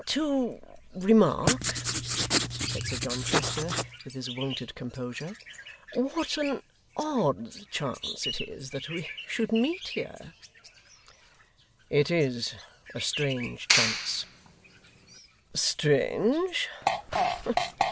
'To remark,' said Sir John Chester with his wonted composure, 'what an odd chance it is, that we should meet here!' 'It IS a strange chance.' 'Strange?